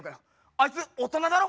あいつ大人だろ？